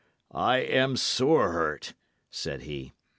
"I am sore hurt," said he.